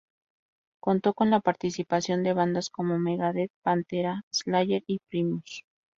Contó con la participación de bandas como Megadeth, Pantera, Slayer y Primus.